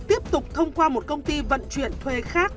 tiếp tục thông qua một công ty vận chuyển thuê khác